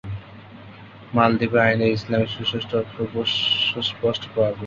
মালদ্বীপের আইনে ইসলামের সুস্পষ্ট প্রভাব রয়েছে।